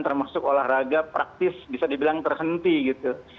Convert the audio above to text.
termasuk olahraga praktis bisa dibilang terhenti gitu